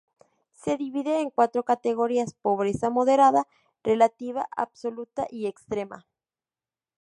Se divide en cuatro categorías: pobreza moderada, relativa, absoluta y extrema.